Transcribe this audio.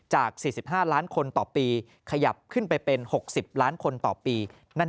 จาก๔๕ล้านคนต่อปี